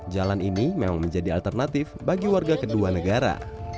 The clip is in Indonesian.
jalan ini memang menjadi alternatif bagi warga kedua negara